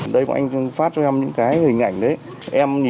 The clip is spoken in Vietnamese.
đây bọn anh phát cho em những cái hình ảnh đấy